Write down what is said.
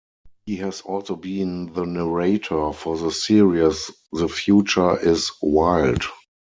He has also been the narrator for the series "The Future Is Wild".